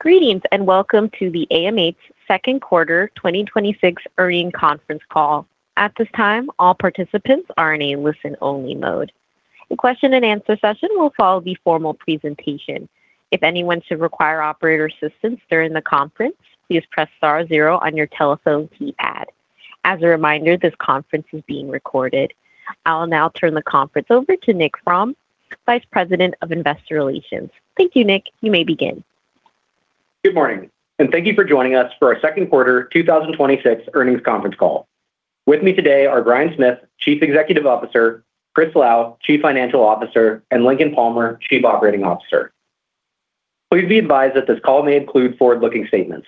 Greetings, and welcome to the AMH's Second Quarter 2026 Earnings Conference Call. At this time, all participants are in a listen-only mode. The question-and-answer session will follow the formal presentation. If anyone should require operator assistance during the conference, please press star zero on your telephone keypad. As a reminder, this conference is being recorded. I will now turn the conference over to Nick Fromm, Vice President of Investor Relations. Thank you, Nick. You may begin. Good morning. Thank you for joining us for our second quarter 2026 earnings conference call. With me today are Bryan Smith, Chief Executive Officer, Chris Lau, Chief Financial Officer, and Lincoln Palmer, Chief Operating Officer. Please be advised that this call may include forward-looking statements.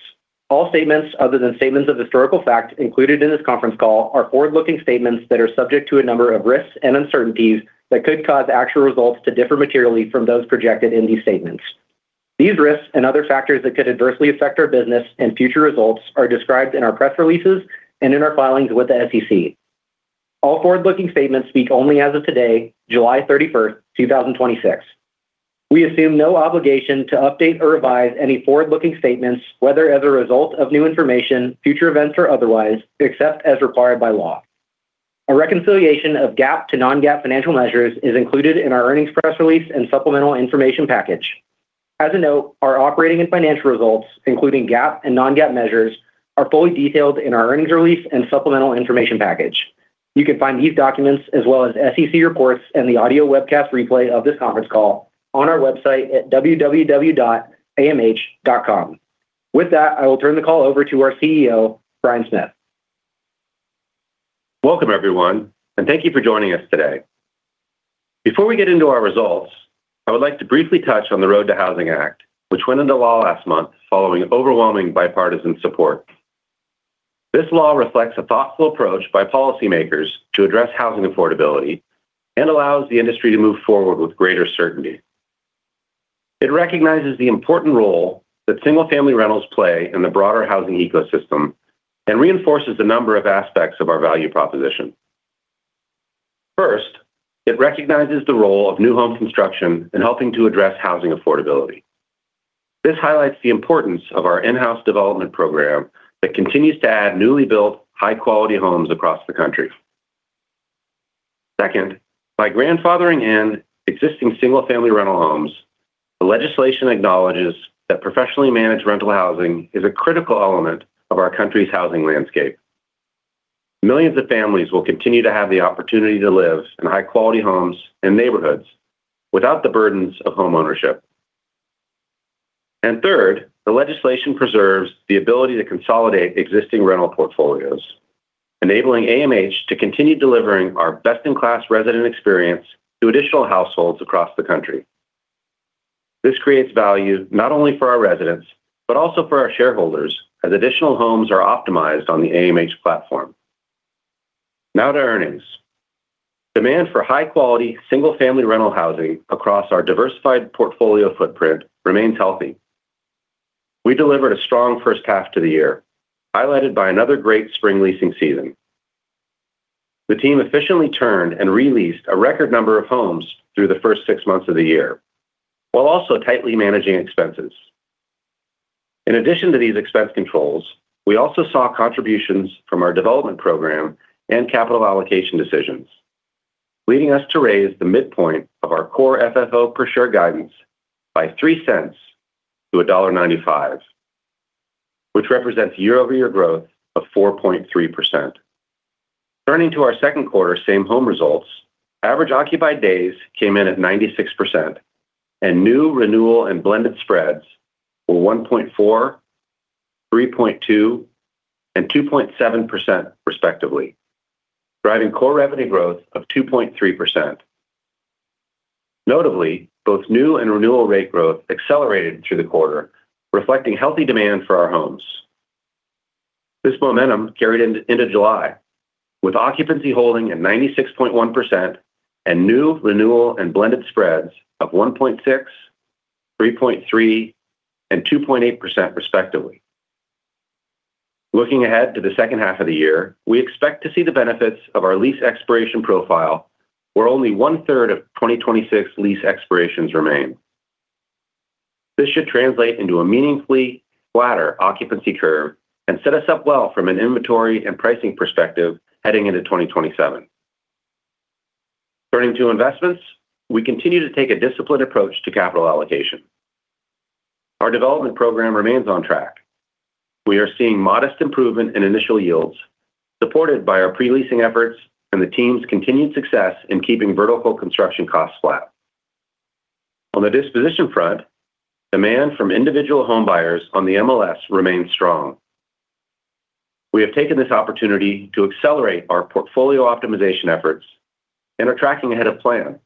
All statements other than statements of historical fact included in this conference call are forward-looking statements that are subject to a number of risks and uncertainties that could cause actual results to differ materially from those projected in these statements. These risks and other factors that could adversely affect our business and future results are described in our press releases and in our filings with the SEC. All forward-looking statements speak only as of today, July 31st, 2026. We assume no obligation to update or revise any forward-looking statements, whether as a result of new information, future events, or otherwise, except as required by law. A reconciliation of GAAP to non-GAAP financial measures is included in our earnings press release and supplemental information package. As a note, our operating and financial results, including GAAP and non-GAAP measures, are fully detailed in our earnings release and supplemental information package. You can find these documents as well as SEC reports and the audio webcast replay of this conference call on our website at www.amh.com. With that, I will turn the call over to our CEO, Bryan Smith. Welcome, everyone. Thank you for joining us today. Before we get into our results, I would like to briefly touch on the Road to Housing Act, which went into law last month following overwhelming bipartisan support. This law reflects a thoughtful approach by policymakers to address housing affordability and allows the industry to move forward with greater certainty. It recognizes the important role that single-family rentals play in the broader housing ecosystem and reinforces a number of aspects of our value proposition. First, it recognizes the role of new home construction in helping to address housing affordability. This highlights the importance of our in-house development program that continues to add newly built, high-quality homes across the country. Second, by grandfathering in existing single-family rental homes, the legislation acknowledges that professionally managed rental housing is a critical element of our country's housing landscape. Millions of families will continue to have the opportunity to live in high-quality homes and neighborhoods without the burdens of homeownership. Third, the legislation preserves the ability to consolidate existing rental portfolios, enabling AMH to continue delivering our best-in-class resident experience to additional households across the country. This creates value not only for our residents but also for our shareholders as additional homes are optimized on the AMH platform. Now to earnings. Demand for high-quality single-family rental housing across our diversified portfolio footprint remains healthy. We delivered a strong first half to the year, highlighted by another great spring leasing season. The team efficiently turned and re-leased a record number of homes through the first six months of the year, while also tightly managing expenses. In addition to these expense controls, we also saw contributions from our development program and capital allocation decisions, leading us to raise the midpoint of our core FFO per share guidance by $0.03 to $1.95, which represents year-over-year growth of 4.3%. Turning to our second quarter's same-home results, average occupied days came in at 96%, and new renewal and blended spreads were 1.4%, 3.2%, and 2.7%, respectively, driving core revenue growth of 2.3%. Notably, both new and renewal rate growth accelerated through the quarter, reflecting healthy demand for our homes. This momentum carried into July, with occupancy holding at 96.1% and new renewal and blended spreads of 1.6%, 3.3%, and 2.8%, respectively. Looking ahead to the second half of the year, we expect to see the benefits of our lease expiration profile, where only one-third of 2026 lease expirations remain. This should translate into a meaningfully flatter occupancy curve and set us up well from an inventory and pricing perspective heading into 2027. Turning to investments, we continue to take a disciplined approach to capital allocation. Our development program remains on track. We are seeing modest improvement in initial yields supported by our pre-leasing efforts and the team's continued success in keeping vertical construction costs flat. On the disposition front, demand from individual homebuyers on the MLS remains strong. We have taken this opportunity to accelerate our portfolio optimization efforts and are tracking ahead of plan,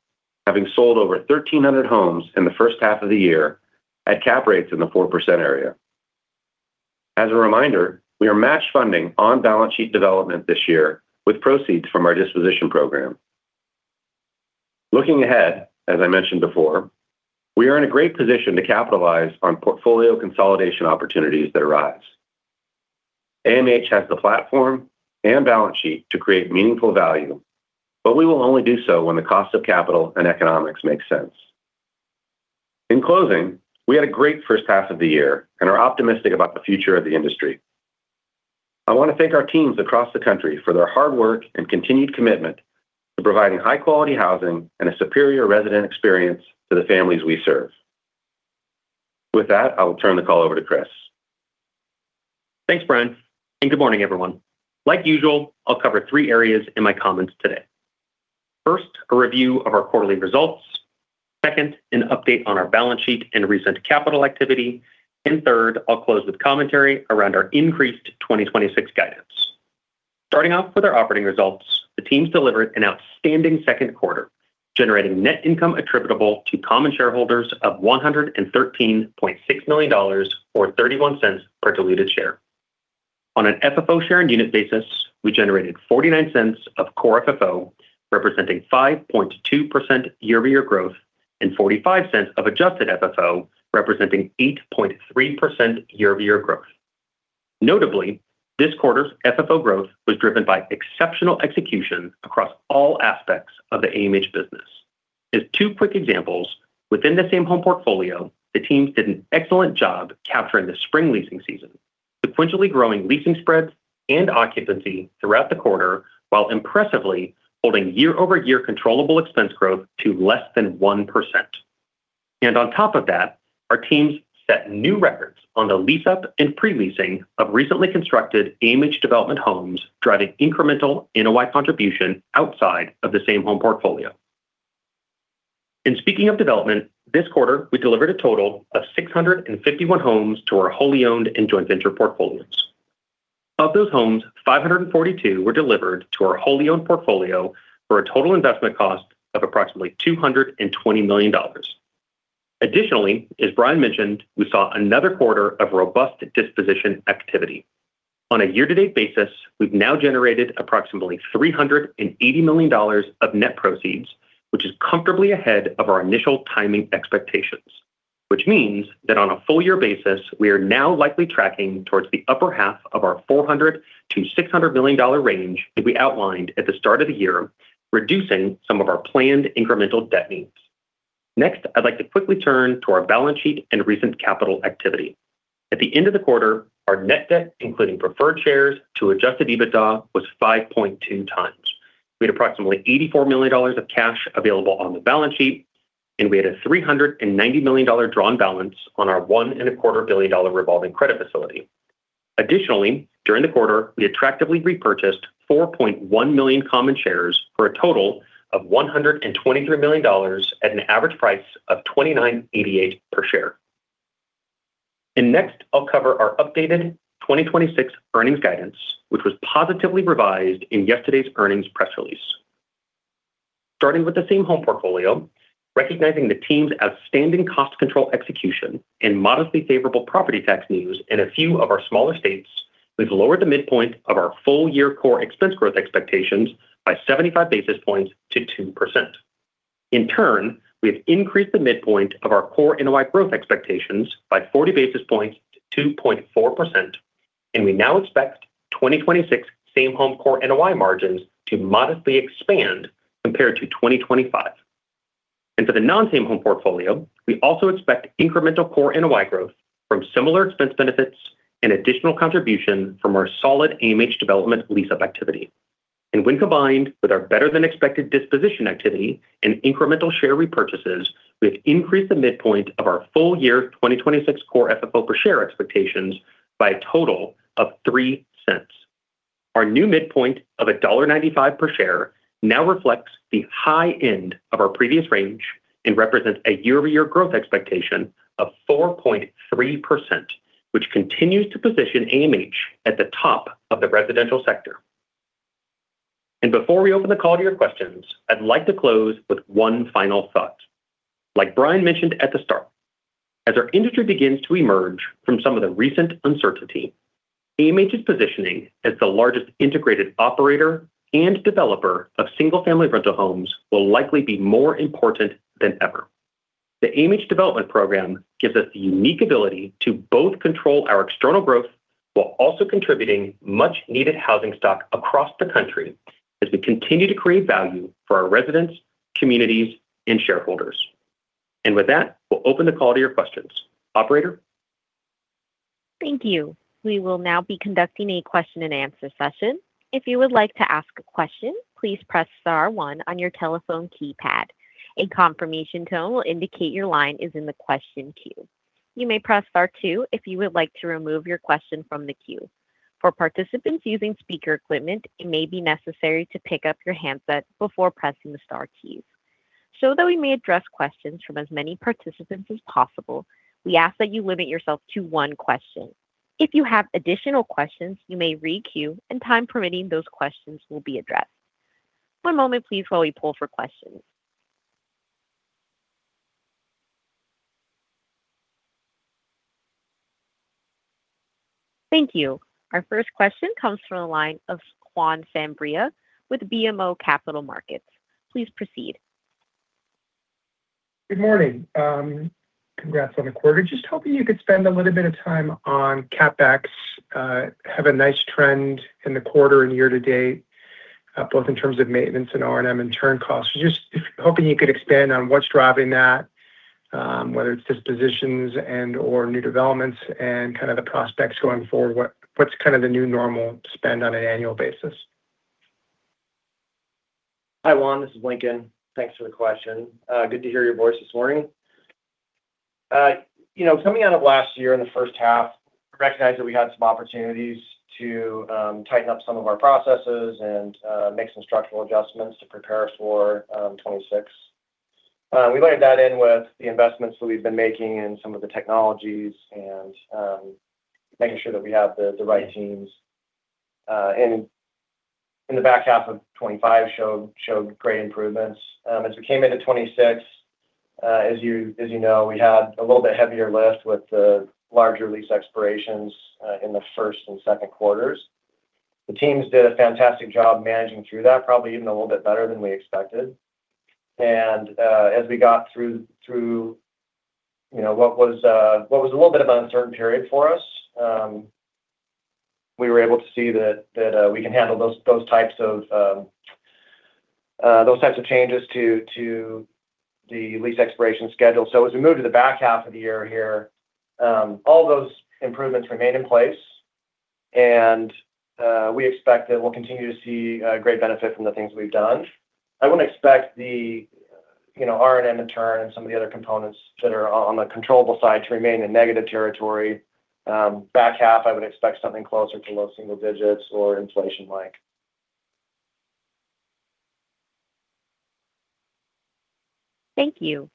having sold over 1,300 homes in the first half of the year at cap rates in the 4% area. As a reminder, we are match funding on-balance-sheet development this year with proceeds from our disposition program. Looking ahead, as I mentioned before, we are in a great position to capitalize on portfolio consolidation opportunities that arise. AMH has the platform and balance sheet to create meaningful value, but we will only do so when the cost of capital and economics make sense. In closing, we had a great first half of the year and are optimistic about the future of the industry. I want to thank our teams across the country for their hard work and continued commitment to providing high-quality housing and a superior resident experience to the families we serve. With that, I will turn the call over to Chris. Thanks, Bryan, and good morning, everyone. Like usual, I'll cover three areas in my comments today. First, a review of our quarterly results; second, an update on our balance sheet and recent capital activity; third, I'll close with commentary around our increased 2026 guidance. Starting off with our operating results, the teams delivered an outstanding second quarter, generating net income attributable to common shareholders of $113.6 million, or $0.31 per diluted share. On an FFO shared unit basis, we generated $0.49 of core FFO, representing 5.2% year-over-year growth, and $0.45 of Adjusted FFO, representing 8.3% year-over-year growth. Notably, this quarter's FFO growth was driven by exceptional execution across all aspects of the AMH business. As two quick examples, within the Same-Home portfolio, the teams did an excellent job capturing the spring leasing season, sequentially growing leasing spreads and occupancy throughout the quarter, while impressively holding year-over-year controllable expense growth to less than 1%. On top of that, our teams set new records on the lease-up and pre-leasing of recently constructed AMH Development homes, driving incremental NOI contribution outside of the Same-Home portfolio. Speaking of development, this quarter, we delivered a total of 651 homes to our wholly owned and joint venture portfolios. Of those homes, 542 were delivered to our wholly owned portfolio for a total investment cost of approximately $220 million. Additionally, as Bryan mentioned, we saw another quarter of robust disposition activity. On a year-to-date basis, we've now generated approximately $380 million of net proceeds, which is comfortably ahead of our initial timing expectations. This means that on a full-year basis, we are now likely tracking towards the upper half of our $400 million-$600 million range that we outlined at the start of the year, reducing some of our planned incremental debt needs. Next, I'd like to quickly turn to our balance sheet and recent capital activity. At the end of the quarter, our net debt, including preferred shares to adjusted EBITDA, was 5.2x. We had approximately $84 million of cash available on the balance sheet, and we had a $390 million drawn balance on our $1.25 billion revolving credit facility. Additionally, during the quarter, we attractively repurchased 4.1 million common shares for a total of $123 million at an average price of $29.88 per share. Next, I'll cover our updated 2026 earnings guidance, which was positively revised in yesterday's earnings press release. Starting with the Same-Home portfolio, recognizing the team's outstanding cost control execution and modestly favorable property tax news in a few of our smaller states, we've lowered the midpoint of our full-year core expense growth expectations by 75 basis points to 2%. In turn, we have increased the midpoint of our core NOI growth expectations by 40 basis points to 2.4%; we now expect 2026 Same-Home core NOI margins to modestly expand compared to 2025. For the non-Same-Home portfolio, we also expect incremental core NOI growth from similar expense benefits and additional contribution from our solid AMH Development lease-up activity. When combined with our better-than-expected disposition activity and incremental share repurchases, we've increased the midpoint of our full-year 2026 core FFO-per-share expectations by a total of $0.03. Our new midpoint of $1.95 per share now reflects the high end of our previous range and represents a year-over-year growth expectation of 4.3%, which continues to position AMH at the top of the residential sector. Before we open the call to your questions, I'd like to close with one final thought. Like Bryan mentioned at the start, as our industry begins to emerge from some of the recent uncertainty, AMH's positioning as the largest integrated operator and developer of single-family rental homes will likely be more important than ever. The AMH Development Program gives us the unique ability to both control our external growth while also contributing much-needed housing stock across the country as we continue to create value for our residents, communities, and shareholders. With that, we'll open the call to your questions. Operator? Thank you. We will now be conducting a question-and-answer session. If you would like to ask a question, please press star one on your telephone keypad. A confirmation tone will indicate your line is in the question queue. You may press star two if you would like to remove your question from the queue. For participants using speaker equipment, it may be necessary to pick up your handset before pressing the star keys. That we may address questions from as many participants as possible, we ask that you limit yourself to one question. If you have additional questions, you may re-queue, and time permitting, those questions will be addressed. One moment, please, while we pull for questions. Thank you. Our first question comes from the line of Juan Sanabria with BMO Capital Markets. Please proceed. Good morning. Congrats on the quarter. Just hoping you could spend a little bit of time on CapEx. Have a nice trend in the quarter and year-to-date, both in terms of maintenance and R&M and turn costs. Just hoping you could expand on what's driving that, whether it's dispositions and/or new developments, and kind of the prospects going forward. What's the kind of new normal spending on an annual basis? Hi, Juan. This is Lincoln. Thanks for the question. Good to hear your voice this morning. Coming out of last year in the first half, we recognized that we had some opportunities to tighten up some of our processes and make some structural adjustments to prepare us for 2026. We layered that in with the investments that we've been making in some of the technologies and making sure that we have the right teams. In the back half of 2025, they showed great improvements. As we came into 2026, as you know, we had a little bit heavier lift with the larger lease expirations in the first and second quarters. The teams did a fantastic job managing through that, probably even a little bit better than we expected. As we got through what was a little bit of an uncertain period for us, we were able to see that we can handle those types of changes to the lease expiration schedule. As we move to the back half of the year here, all those improvements remain in place. We expect that we'll continue to see a great benefit from the things we've done. I wouldn't expect the R&M and turn and some of the other components that are on the controllable side to remain in negative territory. Back half, I would expect something closer to low-single digits or inflation-like. Thank you.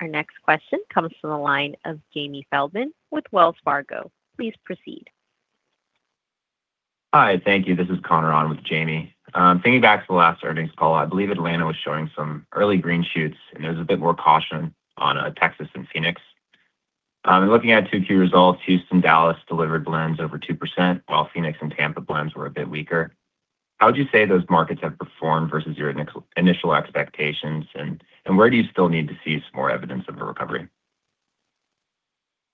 Our next question comes from the line of Jamie Feldman with Wells Fargo. Please proceed. Hi, thank you. This is Connor on with Jamie. Thinking back to the last earnings call, I believe Atlanta was showing some early green shoots, and there was a bit more caution on Texas and Phoenix. In looking at Q2 results, Houston and Dallas delivered blends over 2%, while Phoenix and Tampa blends were a bit weaker. How would you say those markets have performed versus your initial expectations, and where do you still need to see some more evidence of a recovery?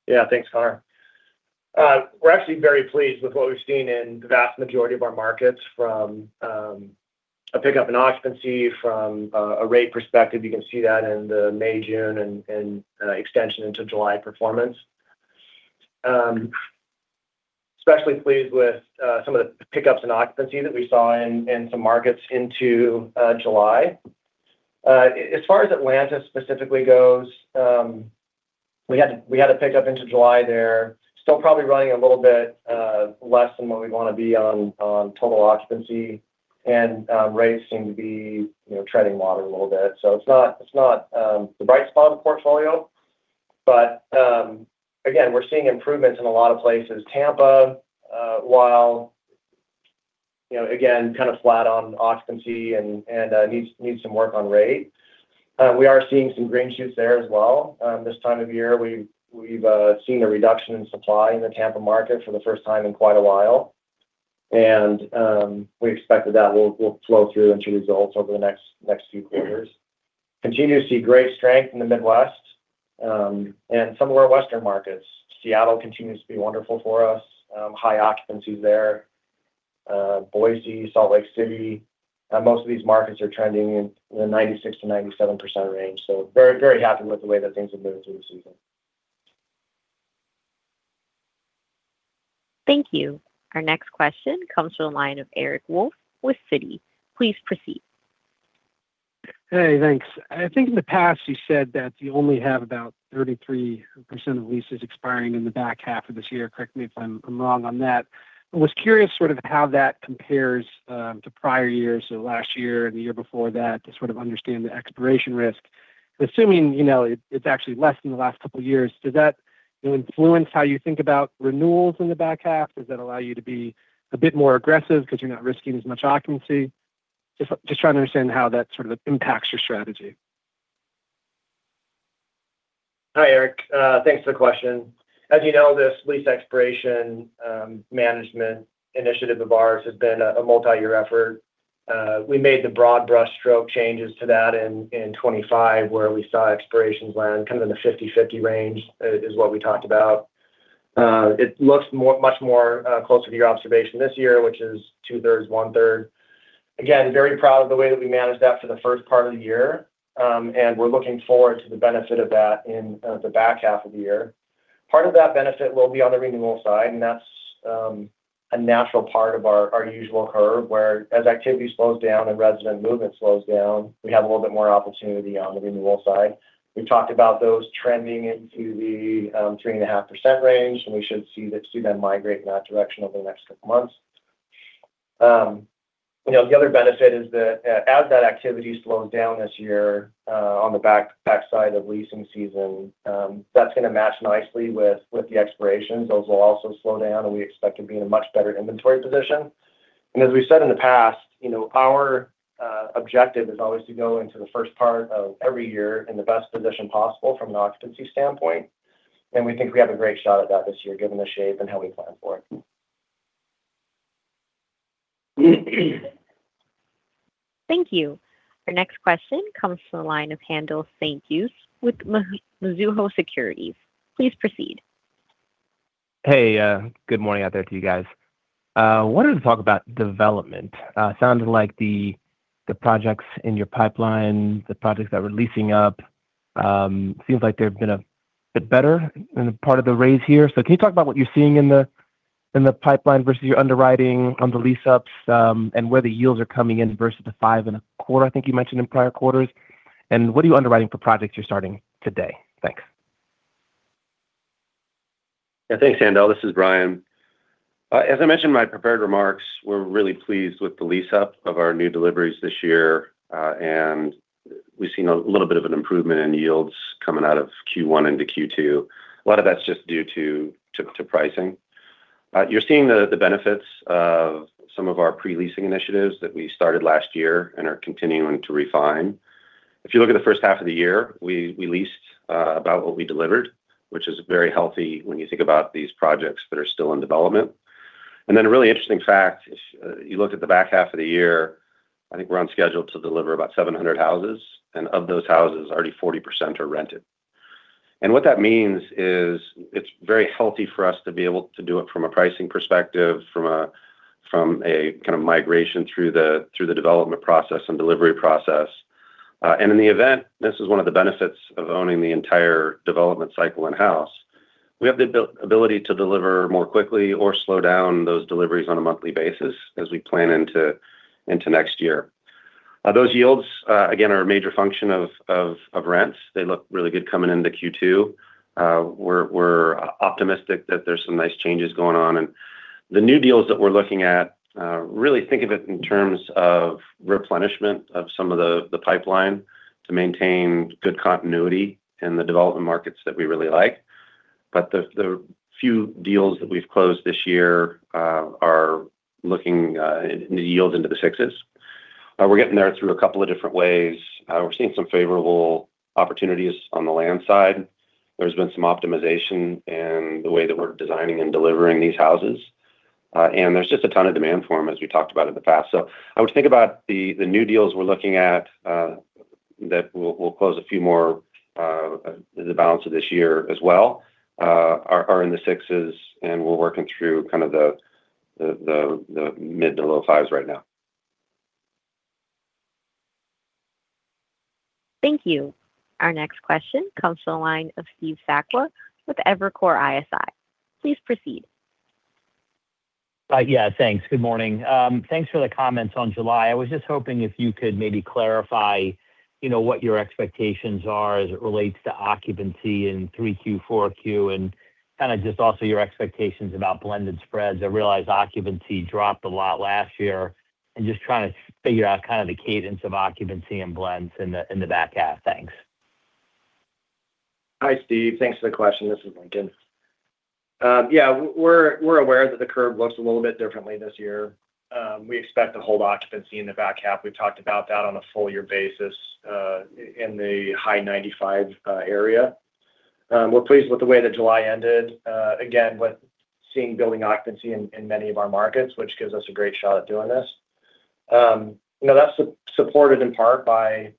Thanks, Connor. We're actually very pleased with what we've seen in the vast majority of our markets from a pickup in occupancy. From a rate perspective, you can see that in the May/June and extension into July performance. Especially pleased with some of the pickups in occupancy that we saw in some markets into July. As far as Atlanta specifically goes, we had a pickup into July there. Still probably running a little bit less than what we want to be on total occupancy, and rates seem to be treading water a little bit. It's not the bright spot of the portfolio, but again, we're seeing improvements in a lot of places. Tampa, while again, kind of flat on occupancy and needs some work on rate. We are seeing some green shoots there as well. This time of year, we've seen a reduction in supply in the Tampa market for the first time in quite a while. We expect that that will flow through into results over the next few quarters. Continue to see great strength in the Midwest and some of our western markets. Seattle continues to be wonderful for us. High occupancy there. Boise, Salt Lake City, most of these markets are trending in the 96%-97% range. Very, very happy with the way that things have moved through the season. Thank you. Our next question comes from the line of Eric Wolfe with Citi. Please proceed. Hey, thanks. I think in the past, you said that you only have about 33% of leases expiring in the back half of this year. Correct me if I'm wrong on that. I was curious sort of how that compares to prior years, so last year and the year before that, to sort of understand the expiration risk. Assuming it's actually less than the last couple of years, does that influence how you think about renewals in the back half? Does that allow you to be a bit more aggressive because you're not risking as much occupancy? Just trying to understand how that sort of impacts your strategy. Hi, Eric. Thanks for the question. As you know, this lease expiration management initiative of ours has been a multi-year effort. We made the broad brushstroke changes to that in 2025, where we saw expirations land kind of in the 50/50 range, which is what we talked about. It looks much closer to your observation this year, which is two-thirds, one-third. Again, very proud of the way that we managed that for the first part of the year. We're looking forward to the benefit of that in the back half of the year. Part of that benefit will be on the renewal side, and that's a natural part of our usual curve, where as activity slows down and resident movement slows down, we have a little bit more opportunity on the renewal side. We've talked about those trending into the 3.5% range. We should see that trend migrate in that direction over the next couple months. The other benefit is that as that activity slows down this year on the backside of leasing season, that's going to match nicely with the expirations. Those will also slow down, and we expect to be in a much better inventory position. As we've said in the past, our objective is always to go into the first part of every year in the best position possible from an occupancy standpoint. We think we have a great shot at that this year, given the shape and how we plan for it. Thank you. Our next question comes from the line of Haendel St. Juste with Mizuho Securities. Please proceed. Hey, good morning out there to you guys. Wanted to talk about development. Sounded like the projects in your pipeline, the projects that were leasing up, seem like they've been a bit better in the part of the raise here. Can you talk about what you're seeing in the pipeline versus your underwriting on the lease-ups, and where the yields are coming in versus the five- and a-quarter, I think you mentioned in prior quarters? What are you underwriting for projects you're starting today? Thanks. Yeah, thanks, Haendel. This is Bryan. As I mentioned in my prepared remarks, we're really pleased with the lease-up of our new deliveries this year. We've seen a little bit of an improvement in yields coming out of Q1 into Q2. A lot of that's just due to pricing. You're seeing the benefits of some of our pre-leasing initiatives that we started last year and are continuing to refine. If you look at the first half of the year, we leased about what we delivered, which is very healthy when you think about these projects that are still in development. Then a really interesting fact: if you look at the back half of the year, I think we're on schedule to deliver about 700 houses. Of those houses, already 40% are rented. What that means is it's very healthy for us to be able to do it from a pricing perspective, from a kind of migration through the development process and delivery process. In the event, this is one of the benefits of owning the entire development cycle in-house. We have the ability to deliver more quickly or slow down those deliveries on a monthly basis as we plan into next year. Those yields, again, are a major function of rents. They look really good coming into Q2. We're optimistic that there are some nice changes going on. The new deals that we're looking at, I really think of it in terms of replenishment of some of the pipeline to maintain good continuity in the development markets that we really like. The few deals that we've closed this year are looking to yield into the sixes. We're getting there through a couple of different ways. We're seeing some favorable opportunities on the land side. There's been some optimization in the way that we're designing and delivering these houses. There's just a ton of demand for them, as we talked about in the past. I would think about the new deals we're looking at that we'll close a few more in the balance of this year as well, are in the sixes, and we're working through kind of the mid- to low-fives right now. Thank you. Our next question comes to the line of Steve Sakwa with Evercore ISI. Please proceed. Yeah, thanks. Good morning. Thanks for the comments in July. I was just hoping you could maybe clarify what your expectations are as it relates to occupancy in Q3 and Q4, kind of just also your expectations about blended spreads. I realize occupancy dropped a lot last year; I'm just trying to figure out the kind of cadence of occupancy and blends in the back half. Thanks. Hi, Steve. Thanks for the question. This is Lincoln. Yeah, we're aware that the curve looks a little bit differently this year. We expect to hold occupancy in the back half. We've talked about that on a full-year basis, in the high-95% area. We're pleased with the way that July ended. Again, with seeing building occupancy in many of our markets, which gives us a great shot at doing this. That's supported in part by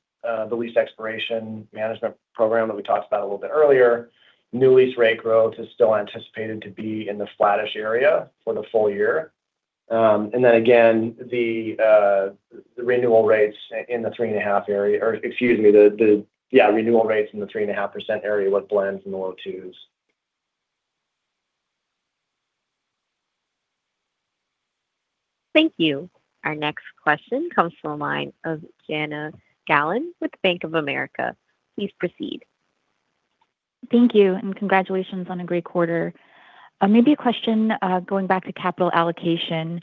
the lease expiration management program that we talked about a little bit earlier. New lease rate growth is still anticipated to be in the flattish area for the full year. Then again, the renewal rates in the 3.5% area, or excuse me, the renewal rates in the 3.5% area with blends in the low-2% Thank you. Our next question comes from the line of Jana Galan with Bank of America. Please proceed. Thank you, and congratulations on a great quarter. Maybe a question, going back to capital allocation,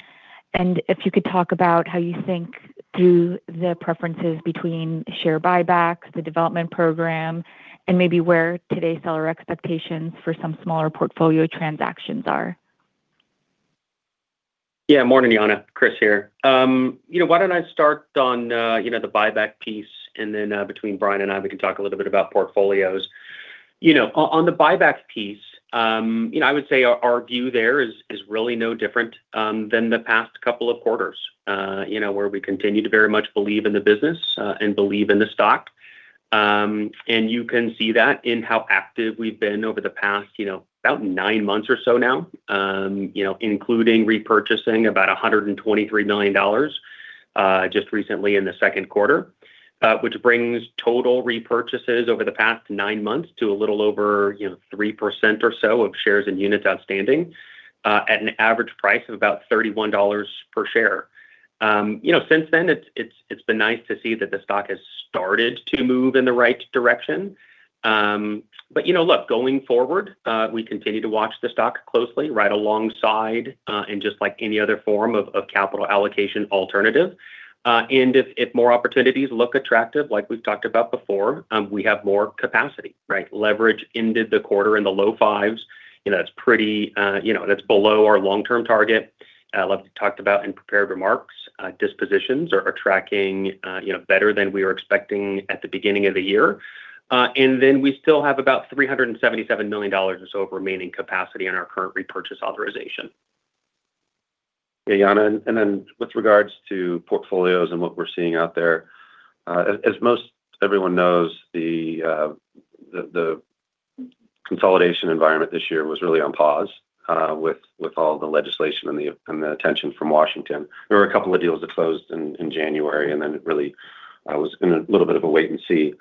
and if you could talk about how you think through the preferences between share buybacks, the AMH Development Program, and maybe where today's seller expectations for some smaller portfolio transactions are. Yeah, morning, Jana. Chris here. Why don't I start on the buyback piece, and then between Bryan and I, we can talk a little bit about portfolios? On the buyback piece, I would say our view there is really no different than the past couple of quarters, where we continue to very much believe in the business and believe in the stock. You can see that in how active we've been over the past about nine months or so now, including repurchasing about $123 million just recently in the second quarter. Which brings total repurchases over the past nine months to a little over 3% or so of shares and units outstanding, at an average price of about $31 per share. Since then, it's been nice to see that the stock has started to move in the right direction. Going forward, we continue to watch the stock closely right alongside, just like any other form of capital allocation alternative. If more opportunities look attractive, like we've talked about before, we have more capacity, right? Leverage ended the quarter in the low fives. That's below our long-term target. Like we talked about in prepared remarks, dispositions are tracking better than we were expecting at the beginning of the year. We still have about $377 million or so of remaining capacity in our current repurchase authorization. Yeah, Jana. With regard to portfolios and what we're seeing out there. As most everyone knows, the consolidation environment this year was really on pause with all the legislation and the attention from Washington. There were a couple of deals that closed in January, and then it really was a little bit of a wait and see.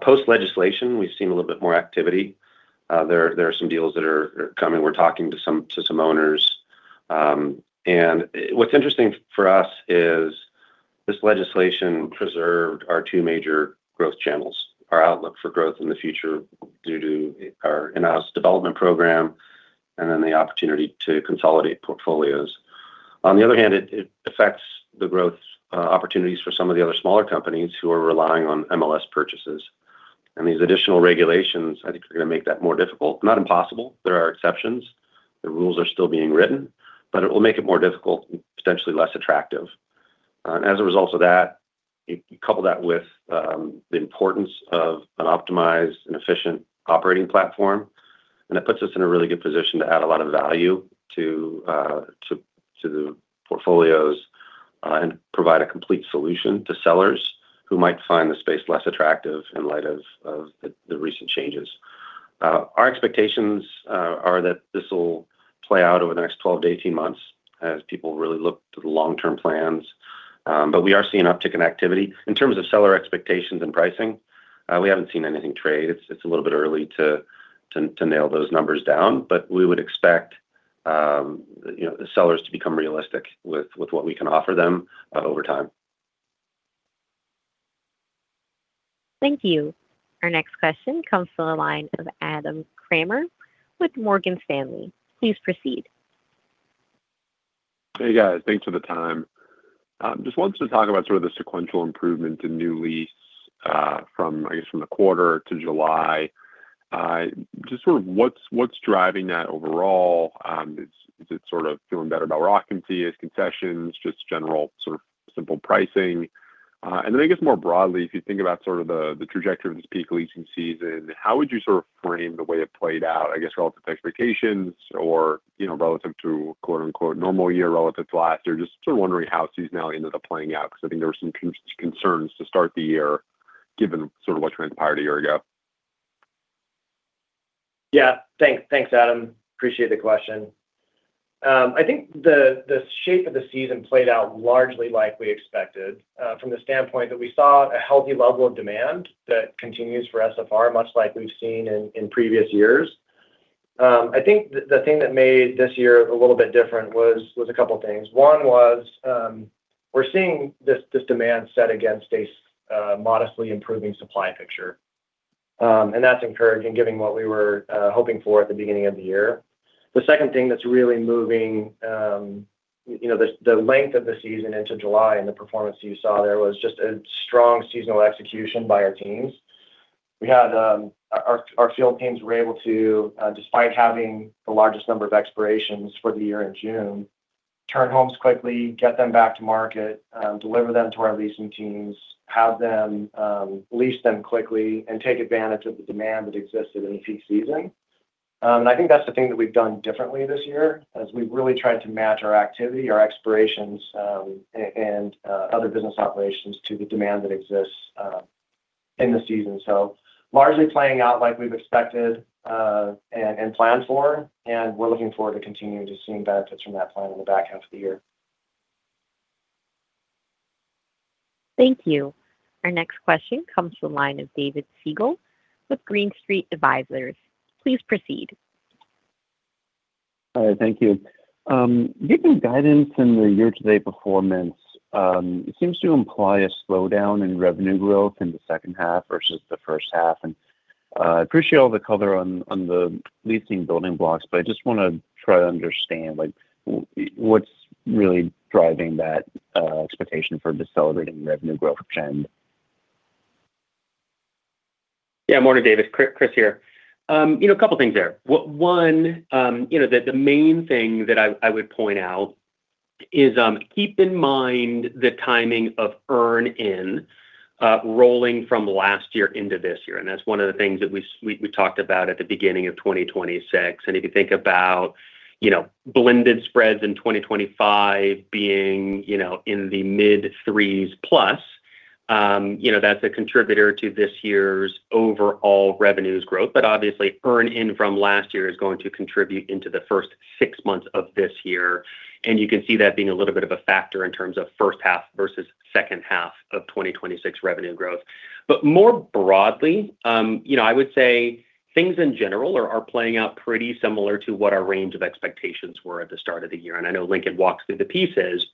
Post-legislation, we've seen a little bit more activity. There are some deals that are coming. We're talking to some owners. What's interesting for us is this legislation preserved our two major growth channels, our outlook for growth in the future due to our AMH Development Program, and the opportunity to consolidate portfolios. On the other hand, it affects the growth opportunities for some of the other smaller companies who are relying on MLS purchases. These additional regulations, I think, are going to make that more difficult. Not impossible. There are exceptions. The rules are still being written. It will make it more difficult and potentially less attractive. As a result of that, you couple that with the importance of an optimized and efficient operating platform, and it puts us in a really good position to add a lot of value to the portfolios and provide a complete solution to sellers who might find the space less attractive in light of the recent changes. Our expectations are that this will play out over the next 12-18 months as people really look to the long-term plans. We are seeing an uptick in activity. In terms of seller expectations and pricing, we haven't seen anything trade. It's a little bit early to nail those numbers down, but we would expect the sellers to become realistic with what we can offer them over time. Thank you. Our next question comes from the line of Adam Kramer with Morgan Stanley. Please proceed. Hey, guys. Thanks for the time. Just wanted to talk about the sort of sequential improvement in the new lease from, I guess, from the quarter to July. Just sort of what's driving that overall? Is it sort of feeling better about occupancy? Is it concessions, just a general sort of simple pricing? I guess more broadly, if you think about sort of the trajectory of this peak leasing season, how would you sort of frame the way it played out, I guess, relative to expectations or, relative to normal year relative to last year? Just sort of wondering how seasonal ended up playing out, because I think there were some concerns to start the year, given sort of what transpired a year ago. Yeah. Thanks, Adam. Appreciate the question. I think the shape of the season played out largely like we expected from the standpoint that we saw a healthy level of demand that continues for SFR, much like we've seen in previous years. I think the thing that made this year a little bit different was a couple things. One was, we're seeing this demand set against a modestly improving supply picture. That's encouraging given what we were hoping for at the beginning of the year. The second thing that's really moving the length of the season into July and the performance you saw there was just a strong seasonal execution by our teams. Our field teams were able to, despite having the largest number of expirations for the year in June, turn homes quickly, get them back to market, deliver them to our leasing teams, have them lease them quickly, and take advantage of the demand that existed in the peak season. I think that's the thing that we've done differently this year, as we've really tried to match our activity, our expirations, and other business operations to the demand that exists in the season. Largely playing out like we've expected and planned for, and we're looking forward to continuing to see benefits from that plan in the back half of the year. Thank you. Our next question comes from the line of David Segall with Green Street Advisors. Please proceed. All right. Thank you. Given the guidance in the year-to-date performance, it seems to imply a slowdown in revenue growth in the second half versus the first half. I appreciate all the color on the leasing building blocks. I just want to try to understand what's really driving that expectation for decelerating revenue growth from the trend. Morning, David. Chris here. A couple of things there. One, the main thing that I would point out is to keep in mind the timing of earnings rolling from last year into this year. That's one of the things that we talked about at the beginning of 2026. If you think about blended spreads in 2025 being in the mid-+3%, that's a contributor to this year's overall revenue growth. Obviously, earnings from last year are going to contribute to the first six months of this year, and you can see that being a little bit of a factor in terms of first-half versus second-half of 2026 revenue growth. More broadly, I would say things in general are playing out pretty similar to what our range of expectations were at the start of the year. I know Lincoln walked through the pieces,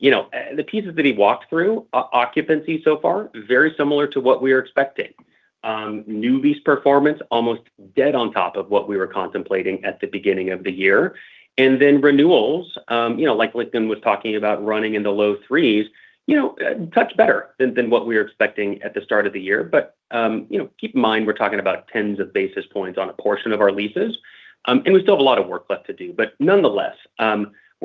the pieces that he walked through, occupancy so far, very similar to what we are expecting. New lease performance is almost dead on top of what we were contemplating at the beginning of the year. Then renewals, like Lincoln was talking about running in the low 3%, a touch better than what we were expecting at the start of the year. Keep in mind, we're talking about tens of basis points on a portion of our leases. We still have a lot of work left to do. Nonetheless,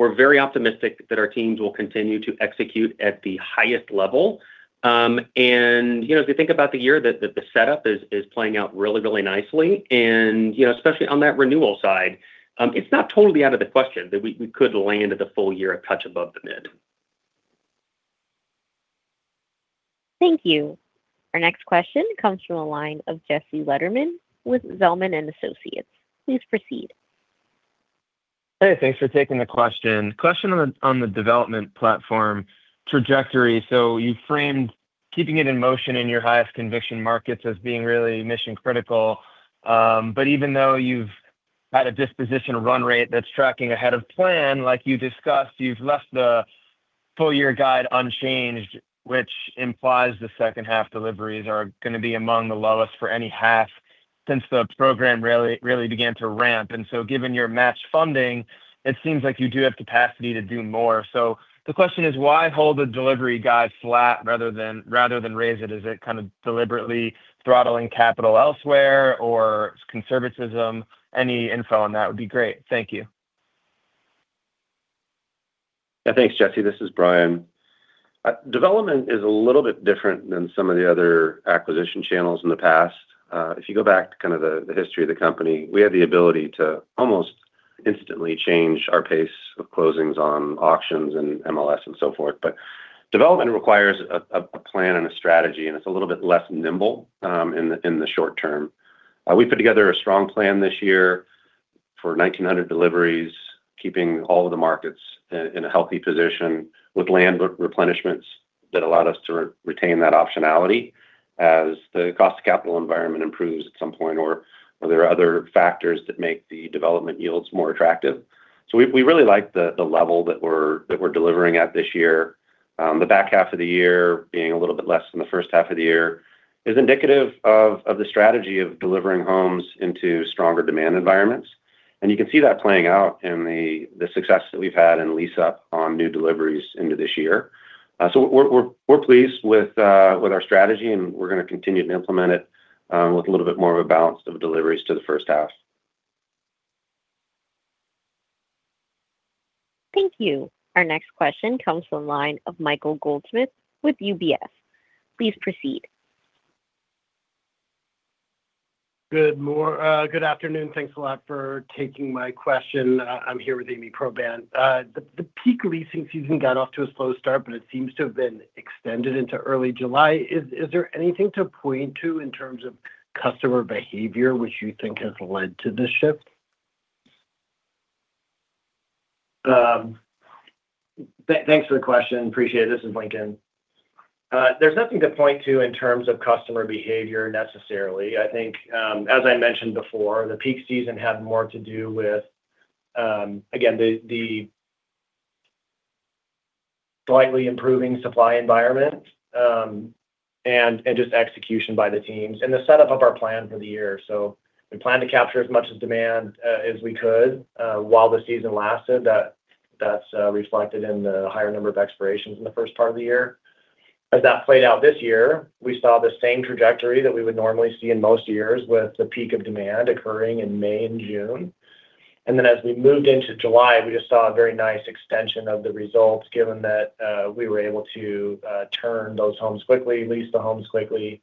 we're very optimistic that our teams will continue to execute at the highest level. As we think about the year, the setup is playing out really nicely. Especially on that renewal side, it's not totally out of the question that we could land the full year a touch above the mid. Thank you. Our next question comes from the line of Jesse Lederman with Zelman & Associates. Please proceed. Hey, thanks for taking the question. Question on the development platform trajectory. You framed keeping it in motion in your highest conviction markets as being really mission-critical. Even though you've had a disposition run rate that's tracking ahead of plan, like you discussed, you've left the full-year guide unchanged, which implies the second-half deliveries are going to be among the lowest for any half since the program really began to ramp. Given your matched funding, it seems like you do have the capacity to do more. The question is, why hold the delivery guide flat rather than raise it? Is it kind of deliberately throttling capital elsewhere, or is it conservatism? Any info on that would be great. Thank you. Yeah, thanks, Jesse. This is Bryan. Development is a little bit different than some of the other acquisition channels in the past. If you go back to kind of the history of the company, we have the ability to almost instantly change our pace of closings on auctions and MLS and so forth. Development requires a plan and a strategy, and it's a little bit less nimble in the short term. We put together a strong plan this year for 1,900 deliveries, keeping all of the markets in a healthy position with land replenishments that allowed us to retain that optionality as the cost of capital environment improves at some point, or there are other factors that make the development yields more attractive. We really like the level that we're delivering at this year. The back half of the year being a little bit less than the first half of the year is indicative of the strategy of delivering homes into stronger demand environments. You can see that playing out in the success that we've had in lease-up on new deliveries into this year. We're pleased with our strategy, and we're going to continue to implement it with a little bit more of a balance of deliveries to the first half. Thank you. Our next question comes from the line of Michael Goldsmith with UBS. Please proceed. Good afternoon. Thanks a lot for taking my question. I'm here with Ami Probandt. The peak leasing season got off to a slow start, but it seems to have been extended into early July. Is there anything to point to in terms of customer behavior that you think has led to this shift? Thanks for the question. Appreciate it. This is Lincoln. There's nothing to point to in terms of customer behavior necessarily. I think, as I mentioned before, the peak season had more to do with, again, the slightly improving supply environment and just execution by the teams and the setup of our plan for the year. We planned to capture as much demand as we could while the season lasted. That's reflected in the higher number of expirations in the first part of the year. As that played out this year, we saw the same trajectory that we would normally see in most years, with the peak of demand occurring in May and June. As we moved into July, we just saw a very nice extension of the results, given that we were able to turn those homes quickly, lease the homes quickly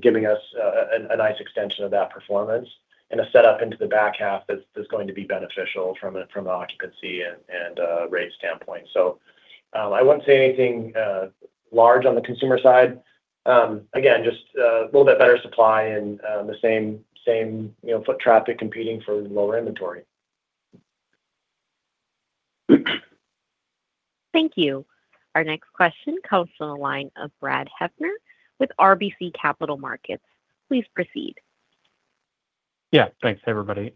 giving us a nice extension of that performance and a setup into the back half that's going to be beneficial from an occupancy and rate standpoint. I wouldn't say anything large on the consumer side. Again, just a little bit better supply and the same foot traffic competing for lower inventory. Thank you. Our next question comes from the line of Brad Heffern with RBC Capital Markets. Please proceed. Yeah, thanks. Hey, everybody.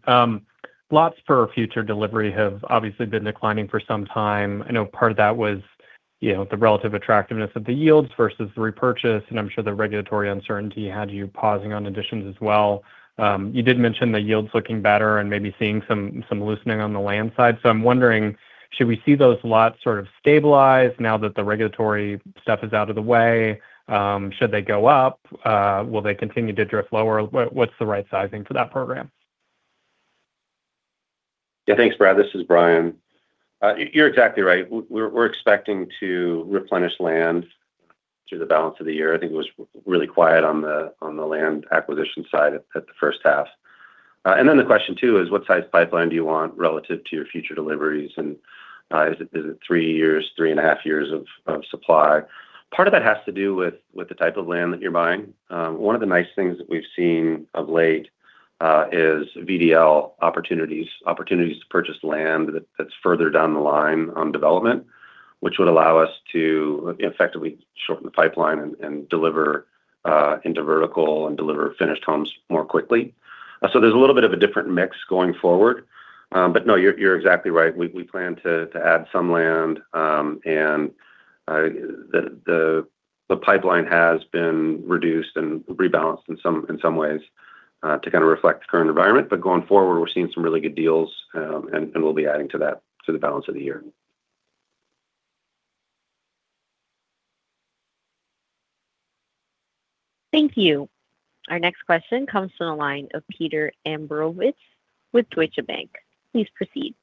Lots for future delivery have obviously been declining for some time. I know part of that was the relative attractiveness of the yields versus the repurchase, and I'm sure the regulatory uncertainty had you pausing on additions as well. You did mention the yields looking better and maybe seeing some loosening on the land side. I'm wondering, should we see those lots sort of stabilize now that the regulatory stuff is out of the way? Should they go up? Will they continue to drift lower? What's the right sizing for that program? Yeah. Thanks, Brad. This is Bryan. You're exactly right. We're expecting to replenish land through the balance of the year. I think it was really quiet on the land acquisition side in the first half. The question too is what size pipeline do you want relative to your future deliveries, and is it three years or three and a half years of supply? Part of that has to do with the type of land that you're buying. One of the nice things that we've seen of late is VDL opportunities. Opportunities to purchase land that's further down the line on development, which would allow us to effectively shorten the pipeline and deliver vertical and finished homes more quickly. There's a little bit of a different mix going forward. No, you're exactly right. We plan to add some land; the pipeline has been reduced and rebalanced in some ways to kind of reflect the current environment. Going forward, we're seeing some really good deals; we'll be adding to that to the balance of the year. Thank you. Our next question comes from the line of Peter Abramowitz with Deutsche Bank. Please proceed.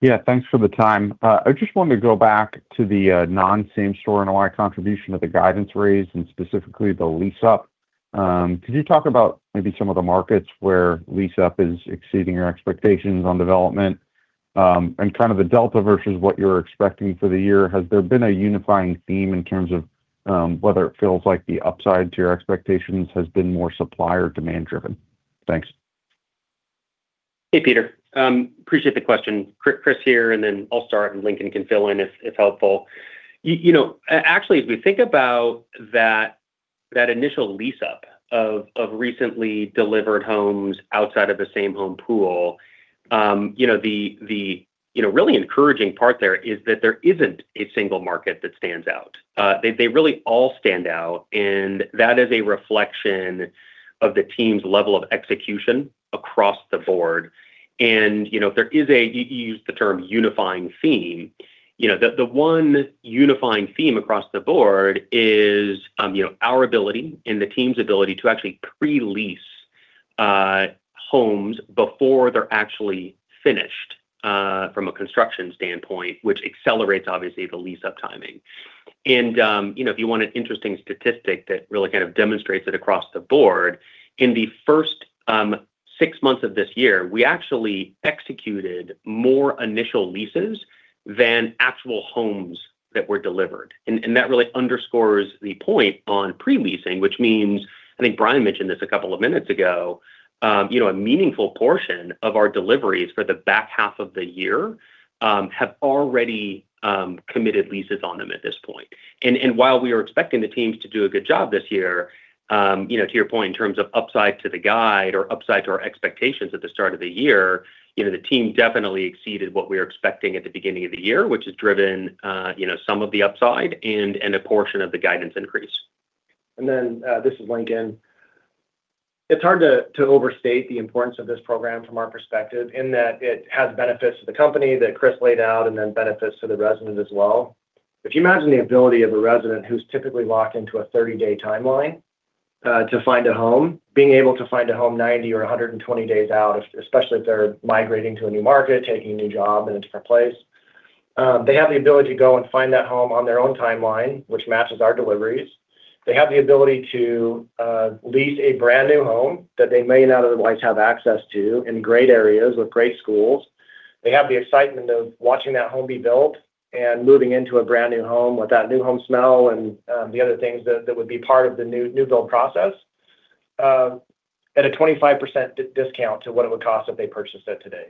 Yeah, thanks for the time. I just wanted to go back to the non-Same-Home NOI contribution of the guidance raise, specifically the lease-up. Could you talk about maybe some of the markets where lease-up is exceeding your expectations on development, kind of the delta versus what you were expecting for the year? Has there been a unifying theme in terms of whether it feels like the upside to your expectations has been more supply- or demand-driven? Thanks. Hey, Peter. Appreciate the question. Chris here, I'll start. Lincoln can fill in if it's helpful. Actually, as we think about that initial lease-up of recently delivered homes outside of the Same-Home pool, the really encouraging part there is that there isn't a single market that stands out. They really all stand out; that is a reflection of the team's level of execution across the board. If there is a—you used the term unifying theme, the one unifying theme across the board is our ability and the team's ability to actually pre-lease homes before they're actually finished from a construction standpoint, which accelerates, obviously, the lease-up timing. If you want an interesting statistic that really kind of demonstrates it across the board, in the first six months of this year, we actually executed more initial leases than actual homes that were delivered. That really underscores the point on pre-leasing, which means, I think, Bryan mentioned this a couple of minutes ago: a meaningful portion of our deliveries for the back half of the year have already committed leases on them at this point. While we are expecting the teams to do a good job this year, to your point, in terms of upside to the guide or upside to our expectations at the start of the year, the team definitely exceeded what we were expecting at the beginning of the year, which has driven some of the upside and a portion of the guidance increase. This is Lincoln. It's hard to overstate the importance of this program from our perspective, in that it has benefits to the company that Chris laid out and then benefits to the resident as well. If you imagine the ability of a resident who's typically locked into a 30-day timeline to find a home, being able to find a home 90 or 120 days out, especially if they're migrating to a new market, taking a new job in a different place. They have the ability to go and find that home on their own timeline, which matches our deliveries. They have the ability to lease a brand-new home that they may not otherwise have access to in great areas with great schools. They have the excitement of watching that home be built and moving into a brand-new home with that new home smell, and the other things that would be part of the new build process at a 25% discount to what it would cost if they purchased it today.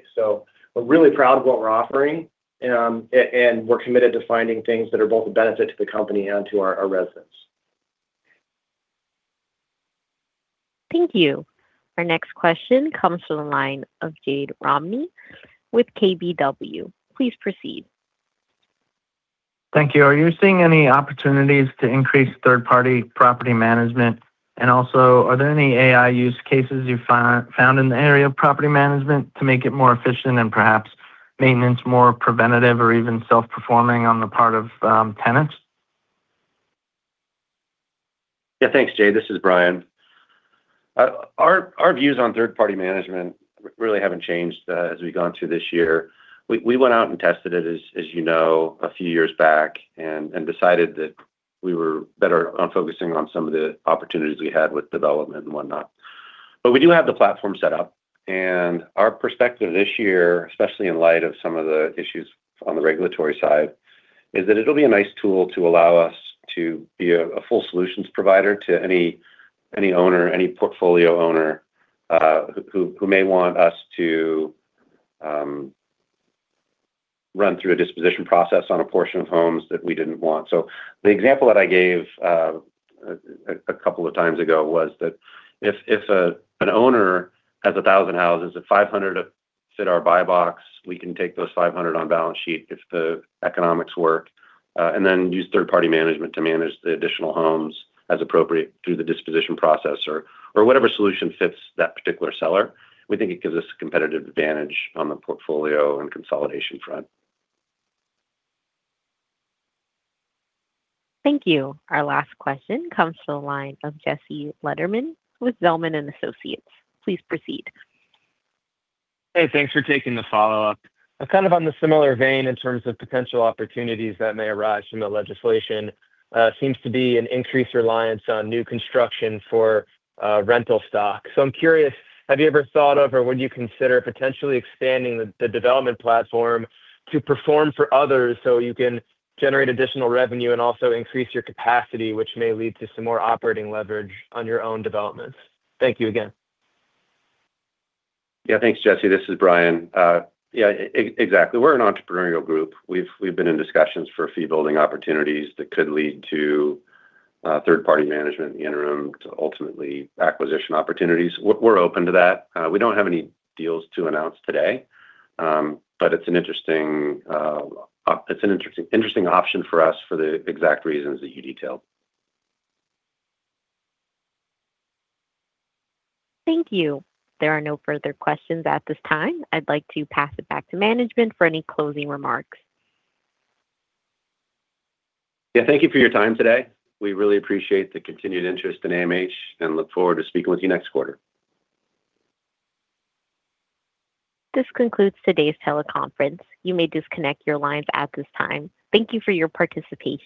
We're really proud of what we're offering, and we're committed to finding things that are both a benefit to the company and to our residents. Thank you. Our next question comes from the line of Jade Rahmani with KBW. Please proceed. Thank you. Are you seeing any opportunities to increase third-party property management? Also, are there any AI use cases you found in the area of property management to make it more efficient and perhaps maintenance more preventative or even self-performing on the part of tenants? Yeah, thanks, Jade. This is Bryan. Our views on third-party management really haven't changed as we've gone through this year. We went out and tested it, as you know, a few years back and decided that we were better on focusing on some of the opportunities we had with development and whatnot. We do have the platform set up, and our perspective this year, especially in light of some of the issues on the regulatory side, is that it'll be a nice tool to allow us to be a full solutions provider to any owner, any portfolio owner, who may want us to run through a disposition process on a portion of homes that we didn't want. The example that I gave a couple of times ago was that if an owner has 1,000 houses, if 500 fit our buy box, we can take those 500 on balance sheet if the economics work, then use third-party management to manage the additional homes as appropriate through the disposition process or whatever solution fits that particular seller. We think it gives us a competitive advantage on the portfolio and consolidation front. Thank you. Our last question comes from the line of Jesse Lederman with Zelman & Associates. Please proceed. Thanks for taking the follow-up. Kind of on the similar vein in terms of potential opportunities that may arise from the legislation seems to be an increased reliance on new construction for rental stock. I'm curious, have you ever thought of, or would you consider potentially expanding the development platform to perform for others so you can generate additional revenue and also increase your capacity, which may lead to some more operating leverage on your own developments? Thank you again. Thanks, Jesse. This is Bryan. Exactly. We're an entrepreneurial group. We've been in discussions for fee-building opportunities that could lead to third-party management in the interim to ultimately acquisition opportunities. We're open to that. We don't have any deals to announce today. It's an interesting option for us for the exact reasons that you detailed. Thank you. There are no further questions at this time. I'd like to pass it back to management for any closing remarks. Thank you for your time today. We really appreciate the continued interest in AMH and look forward to speaking with you next quarter. This concludes today's teleconference. You may disconnect your lines at this time. Thank you for your participation.